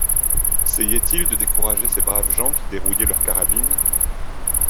Seyait-il de décourager ces braves gens qui dérouillaient leurs carabines?